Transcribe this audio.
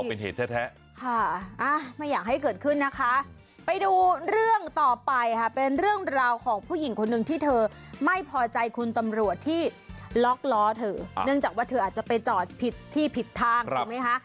เป็นเหตุแท้ค่ะไม่อยากให้เกิดขึ้นนะคะไปดูเรื่องต่อไปค่ะเป็นเรื่องราวของผู้หญิงคนหนึ่งที่เธอไม่พอใจคุณตำรวจที่ล็อกล้อเธอเนื่องจากว่าเธออาจจะไปจอดผิดที่ผิดทางถูกไหมคะ